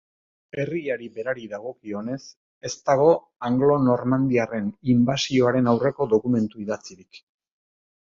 Herriari berari dagokionez, ez dago anglo-normandiarren inbasioaren aurreko dokumentu idatzirik.